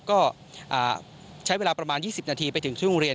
ก็ใช้เวลาประมาณ๒๐นาทีไปถึงช่วงโรงเรียน